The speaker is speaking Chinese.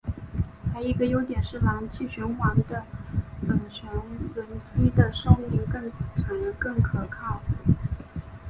还有一个优点是燃气循环的涡轮机寿命更长更可靠。